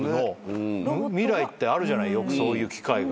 未来ってあるじゃないよくそういう機械が。